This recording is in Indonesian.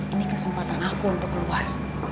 ini kesempatan aku untuk keluar